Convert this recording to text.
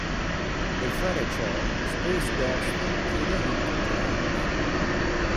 Per fare ciò Space Ghost chiede aiuto a Triumph.